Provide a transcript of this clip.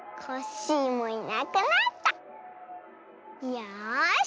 よし。